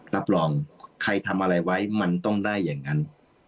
รับรองใครทำอะไรไว้มันต้องได้อย่างนั้น